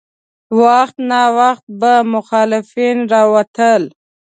وخت ناوخت به مخالفین راوتل.